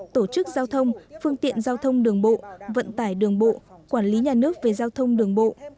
tổ chức giao thông phương tiện giao thông đường bộ vận tải đường bộ quản lý nhà nước về giao thông đường bộ